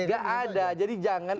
nggak ada jadi jangan